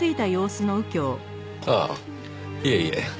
ああいえいえ。